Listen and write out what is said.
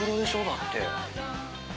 だって。